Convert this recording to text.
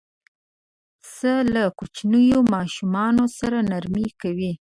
پسه له کوچنیو ماشومانو سره نرمي کوي.